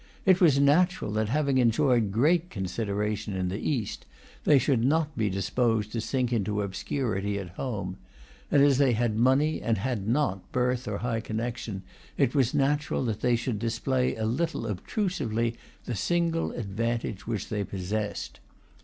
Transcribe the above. It was natural that, having enjoyed great consideration in the East, they should not be disposed to sink into obscurity at home; and as they had money, and had not birth or high connection, it was natural that they should display a little obtrusively the single advantage which they possessed.